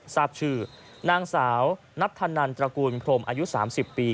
ทราบชื่อนางสาวนัทธนันตระกูลพรมอายุ๓๐ปี